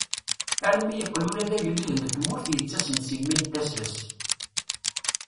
Armi yeqqel ula d agellid n tmurt yettasem si mmi n tasa-s.